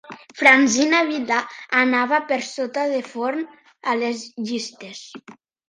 Francina Vila anava per sota de Forn a les llistes